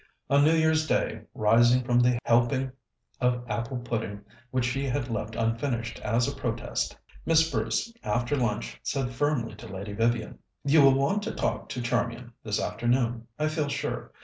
On New Year's Day, rising from the helping of apple pudding which she had left unfinished as a protest, Miss Bruce after lunch said firmly to Lady Vivian: "You will want to talk to Charmian this afternoon, I feel sure.